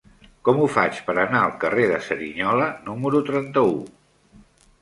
Com ho faig per anar al carrer de Cerignola número trenta-u?